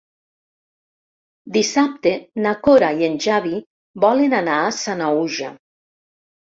Dissabte na Cora i en Xavi volen anar a Sanaüja.